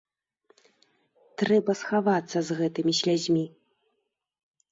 Трэба схавацца з гэтымі слязьмі.